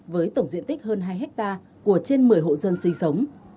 với tổng diện tích hơn hai hectare của trên một mươi hộ dân sinh sống